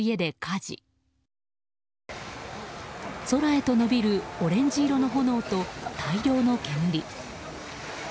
空へと延びるオレンジ色の炎と大量の煙。